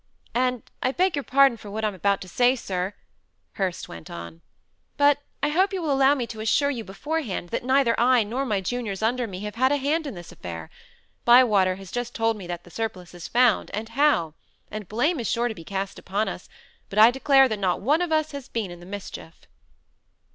"And I beg your pardon for what I am about to say, sir," Hurst went on: "but I hope you will allow me to assure you beforehand, that neither I, nor my juniors under me, have had a hand in this affair. Bywater has just told me that the surplice is found, and how; and blame is sure to be cast upon us; but I declare that not one of us has been in the mischief."